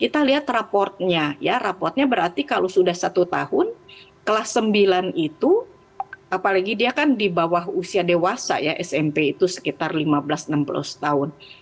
kita lihat raportnya ya raportnya berarti kalau sudah satu tahun kelas sembilan itu apalagi dia kan di bawah usia dewasa ya smp itu sekitar lima belas enam belas tahun